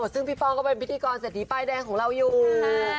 ซึ่งพี่ป้องก็เป็นพิธีกรเศรษฐีป้ายแดงของเราอยู่